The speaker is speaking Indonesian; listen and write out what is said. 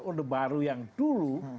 undang baru yang dulu